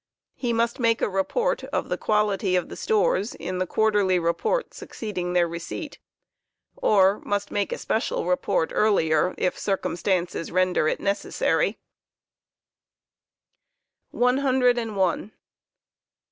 He . must make a report of the quality of the stores in the quarterly report succeeding their receipt, or must make a special report earlier if circumstances render it necessary, signal*. ' 101.